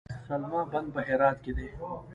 د سلما بند په هرات کې دی